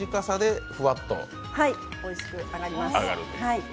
おいしく揚がります。